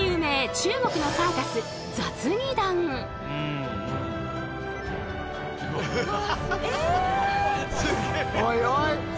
中国のサーカスえ！